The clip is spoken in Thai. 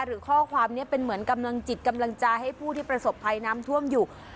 หรือข้อความนี้เป็นเหมือนกำลังจิตกำลังใจให้ผู้ที่ประสบภัยน้ำท่วมอยู่